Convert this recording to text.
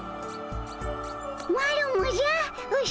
マロもじゃウシ。